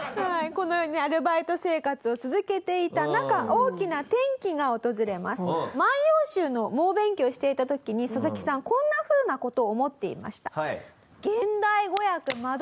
このようにねアルバイト生活を続けていた中『万葉集』の猛勉強をしていた時にササキさんこんなふうな事を思っていました。